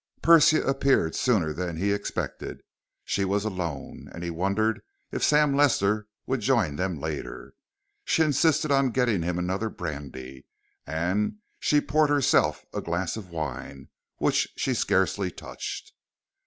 Persia appeared sooner than he expected. She was alone, and he wondered if Sam Lester would join them later. She insisted on getting him another brandy, and she poured herself a glass of wine, which she scarcely touched.